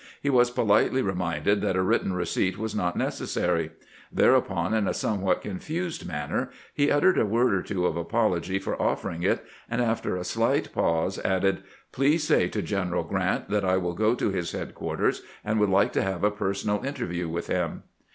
He was politely reminded that a written receipt was not neces sary. Thereupon, in a somewhat confused manner, he uttered a word or two of apology for offering it, and after a slight pause added :" Please say to General Grant that I will go to his headquarters, and would like to have a personal interview with him."